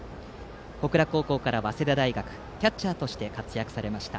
小倉高校から早稲田大学キャッチャーとして活躍されました。